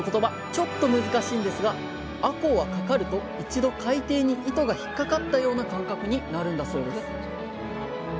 ちょっと難しいんですがあこうは掛かると一度海底に糸が引っかかったような感覚になるんだそうです